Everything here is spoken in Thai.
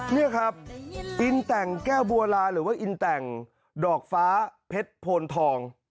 นี่ครับอินแต่งแก้วบัวลาหรือว่าอินแต่งดอกฟ้าเพชรโพนทอง